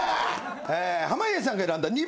濱家さんが選んだ弐